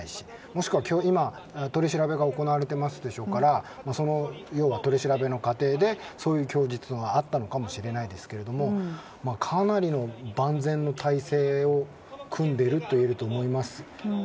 もしくは今、取り調べが行われていますでしょうからその取り調べの過程でそういう供述があったのかもしれないですけれどもかなりの万全の態勢を組んでいるといえると思います。